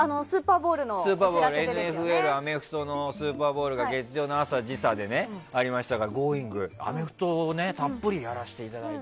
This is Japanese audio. スーパーボウルのＮＦＬ、アメフトのスーパーボウルが月曜の朝時差でありましたから「Ｇｏｉｎｇ！」でアメフトをたっぷりやらせていただいて。